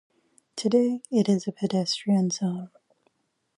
Today, it is a pedestrian zone.